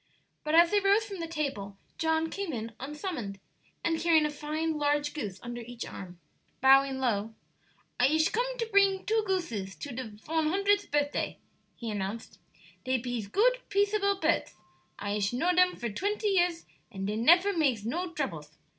But as they rose from the table John came in unsummoned, and carrying a fine large goose under each arm. Bowing low: "I ish come to pring two gooses to de von hundredth birthday," he announced; "dey pees goot, peaceable pirds: I ish know dem for twenty years, and dey nefer makes no droubles."